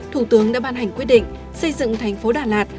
thủ tướng đã ban hành quyết định xây dựng thành phố đà lạt